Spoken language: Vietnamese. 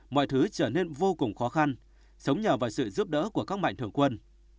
mọi thứ trở nên vô cùng khó khăn sống nhờ vào sự giúp đỡ của các mạnh thường quân